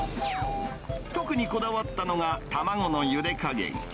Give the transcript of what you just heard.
特にこだわったのが卵のゆで加減。